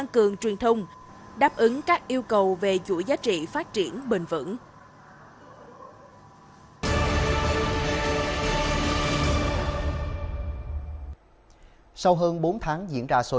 của giá trị phát triển bền vững